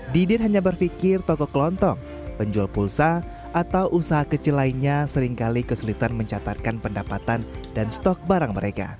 didin hanya berpikir toko kelontong penjual pulsa atau usaha kecil lainnya seringkali kesulitan mencatatkan pendapatan dan stok barang mereka